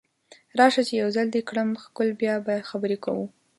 راشه چې یو ځل دې کړم ښکل بیا به خبرې کوو